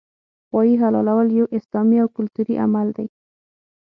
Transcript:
غوايي حلالول یو اسلامي او کلتوري عمل دی